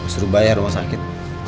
suruh bayar rumah sakit